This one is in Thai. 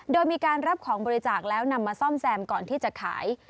โดยมีการรับของบริจาคแล้วนำมาซ่อมแซมก่อนที่จะขาย